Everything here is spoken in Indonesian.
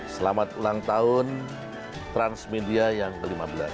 selamat ulang tahun transmedia yang ke lima belas